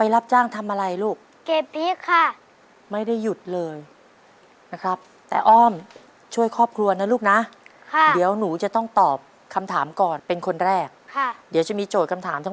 ค่ะไปรับจ้างทำอะไรลูก